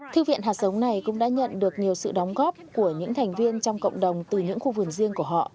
thư viện hạt sống này cũng đã nhận được nhiều sự đóng góp của những thành viên trong cộng đồng từ những khu vườn riêng của họ